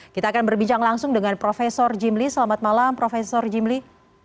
kita akan berbicara langsung dengan profesor jimli selamat malam profesor jimli